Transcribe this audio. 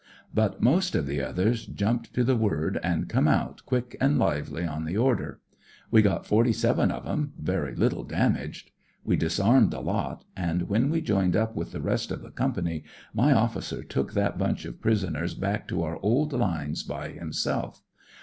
But most of the others jumped to the word, an' come out quick an' lively on the order. We got forty seven of 'em, very little damaged. We disarmed the lot, an' when we joined up with the rest of the Company my officer took that bunch of prisoners back to our old Hnes by himself.